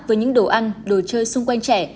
với những đồ ăn đồ chơi xung quanh trẻ